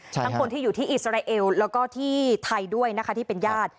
คนที่อยู่ที่อิสราเอลแล้วก็ที่ไทยด้วยนะคะที่เป็นญาติ